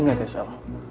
inget ya sal